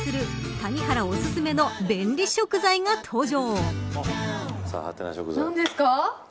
谷原おすすめの便利食材が登場。